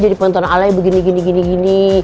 jadi penonton alay begini gini gini gini